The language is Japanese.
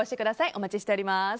お待ちしております。